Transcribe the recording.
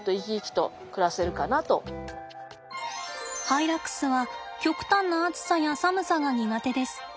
ハイラックスは極端な暑さや寒さが苦手です。